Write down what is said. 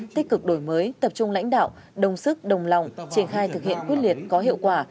tích cực đổi mới tập trung lãnh đạo đồng sức đồng lòng triển khai thực hiện quyết liệt có hiệu quả